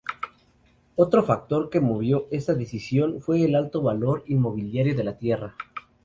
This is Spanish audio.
Otro factor que motivó esta decisión fue el alto valor inmobiliario de la tierra.